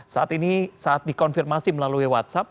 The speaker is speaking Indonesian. saat ini saat dikonfirmasi melalui whatsapp